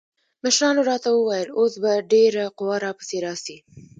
مشرانو راته وويل اوس به ډېره قوا را پسې راسي.